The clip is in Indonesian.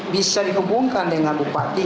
bisa dihubungkan dengan bupati